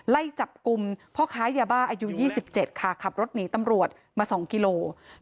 ไล่จับกลุ่มพ่อค้ายาบ้าอายุ๒๗ค่ะขับรถหนีตำรวจมา๒กิโล